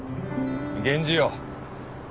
源氏よ